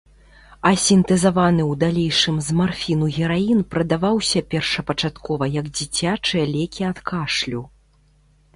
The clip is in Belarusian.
А сінтэзаваны ў далейшым з марфіну гераін прадаваўся першапачаткова як дзіцячыя лекі ад кашлю.